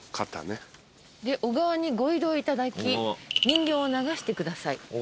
で「小川にご移動いただき人形を流してください」